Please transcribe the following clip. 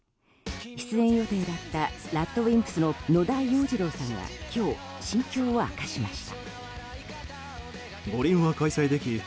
出演予定だったＲＡＤＷＩＭＰＳの野田洋次郎さんは今日、心境を明かしました。